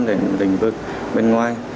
đến lĩnh vực bên ngoài